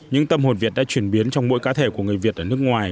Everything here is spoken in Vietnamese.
những tâm hồn việt đã chuyển biến trong mỗi cá thể của người việt ở nước ngoài